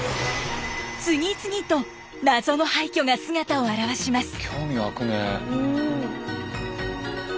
次々と謎の廃虚が姿を現します。